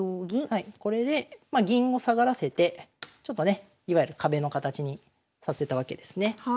はいこれで銀を下がらせてちょっとねいわゆる壁の形にさせたわけですね。